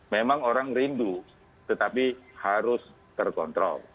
memang orang rindu tetapi harus terkontrol